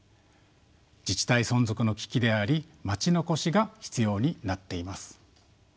自治体存続の危機であり「まちのこし」が必要になっています。